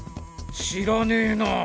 知らねえなぁ。